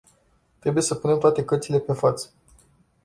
Trebuie să punem toate cărțile pe față.